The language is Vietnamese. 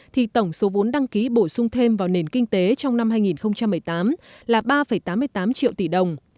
thì tổng số vốn đăng ký bổ sung thêm vào nền kinh tế trong năm hai nghìn một mươi tám là ba tám mươi tám triệu tỷ đồng